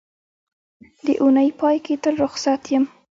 د اونۍ پای کې تل روخصت یم